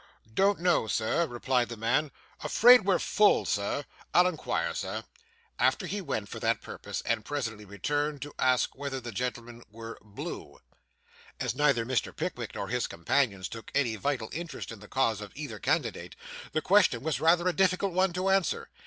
'Don't know, Sir,' replied the man; 'afraid we're full, sir I'll inquire, Sir.' Away he went for that purpose, and presently returned, to ask whether the gentleman were 'Blue.' As neither Mr. Pickwick nor his companions took any vital interest in the cause of either candidate, the question was rather a difficult one to answer.